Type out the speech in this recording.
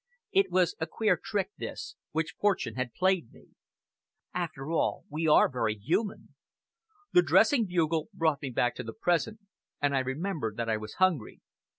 It was a queer trick this, which fortune had played me. After all we are very human. The dressing bugle brought me back to the present, and I remembered that I was hungry.